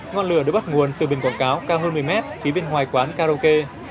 ngọn lửa được bắt nguồn từ biển quảng cáo cao hơn một mươi mét phía bên ngoài quán karaoke